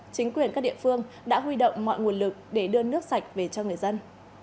chính quyền các địa phương đã huy động mọi nguồn lực để đưa nước sạch về cho người dân